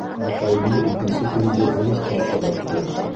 Апайымды икенсе көндө һуғышҡа оҙаттыҡ.